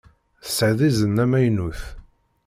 Tesɛiḍ izen amaynut.